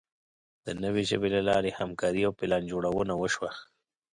د نوې ژبې له لارې همکاري او پلانجوړونه وشوه.